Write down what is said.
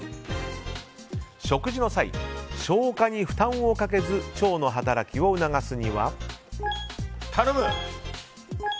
食事の際、消化に負担をかけず腸の働きを促すには。